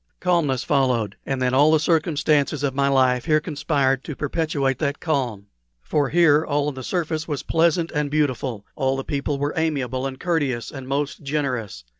Calmness followed, and then all the circumstances of my life here conspired to perpetuate that calm. For here all on the surface was pleasant and beautiful; all the people were amiable and courteous and most generous.